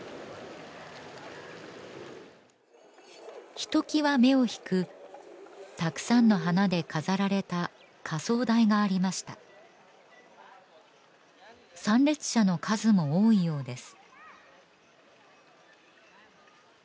ひときわ目を引くたくさんの花で飾られた火葬台がありました参列者の数も多いようです